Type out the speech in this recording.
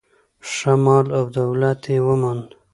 ښه مال او دولت یې وموند.